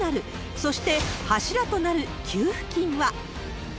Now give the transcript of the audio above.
そして、柱となる給付金は。